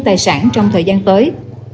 tài sản trong thời gian tới